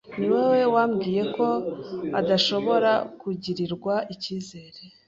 Niwowe wambwiye ko adashobora kugirirwa ikizere.